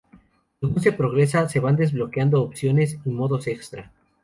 Según se progresa, se van desbloqueando opciones y modos extra.